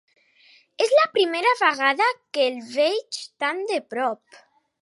És la primera vegada que el veig tan de prop.